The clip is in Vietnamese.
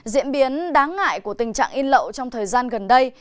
diễn biến đáng ngại của tình trạng in lậu trong thời gian gần đây